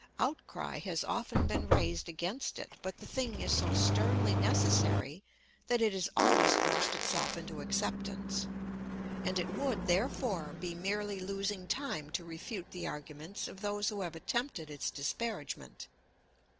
Outcry has often been raised against it, but the thing is so sternly necessary that it has always forced itself into acceptance; and it would, therefore, be merely losing time to refute the arguments of those who have attempted its disparagement.